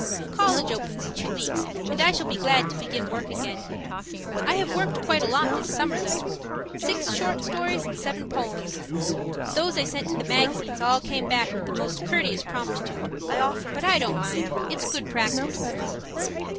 College opens in two weeks and I shall be glad to begin work again. I have worked quite a lot this summer though six short stories and seven poems. Those I sent to the magazines all came back with the most courteous promptitude. But I don't mind. It's good practice.